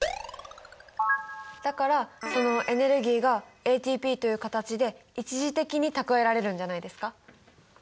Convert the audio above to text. だからそのエネルギーがＡＴＰという形で一時的に蓄えられるんじゃないですか？